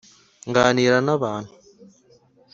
Nganira n'abantu